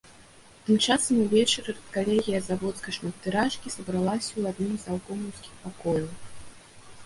Тым часам увечары рэдкалегія заводскай шматтыражкі сабралася ў адным з заўкомаўскіх пакояў.